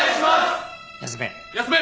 休め。